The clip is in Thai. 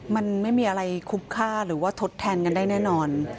มันไม่มีอะไรคุ้มค่าหรือว่าทดแทนกันได้แน่นอน